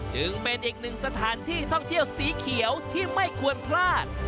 จึงเป็นอีกหนึ่งสถานที่ท่องเที่ยวสีเขียวที่ไม่ควรพลาด